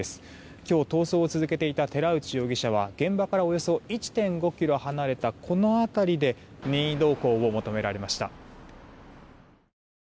今日、逃走を続けていた寺内容疑者は現場からおよそ１．５ｋｍ離れたこの辺りで任意同行を求められました。